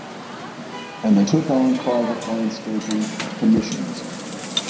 And they took on private landscaping commissions.